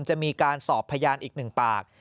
จะมีการสอบพยานอีก๑ปาก